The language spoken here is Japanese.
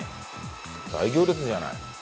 大行列じゃない。